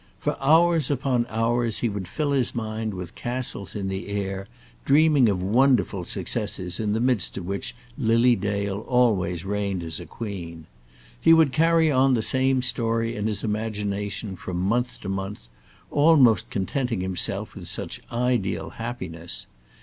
For hours upon hours he would fill his mind with castles in the air, dreaming of wonderful successes in the midst of which Lily Dale always reigned as a queen. He would carry on the same story in his imagination from month to month, almost contenting himself with such ideal happiness.